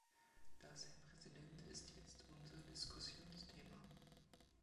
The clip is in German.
Das, Herr Präsident, ist jetzt unser Diskussionsthema.